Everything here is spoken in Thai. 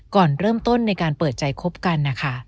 ก่อนเริ่มต้นในการเปิดใจคบกันนะคะ